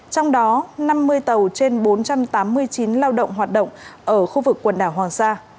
trong đó năm mươi tàu trên bốn trăm tám mươi chín lao động hoạt động ở khu vực quần đảo hoàng sa